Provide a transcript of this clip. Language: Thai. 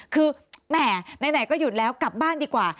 คือแหมไหนก็หยุดแล้วกลับบ้านดีกว่า